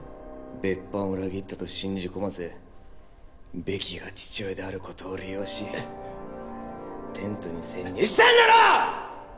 別班を裏切ったと信じ込ませベキが父親であることを利用しテントに潜入したんだろ！